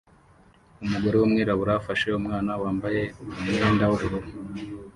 Umugore wumwirabura afashe umwana wambaye umwenda wubururu